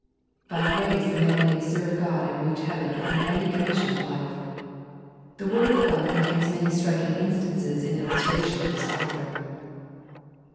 By grace a man may serve God and reach heaven in any condition of life. The word of God contains many striking instances in illustration of this doctrine.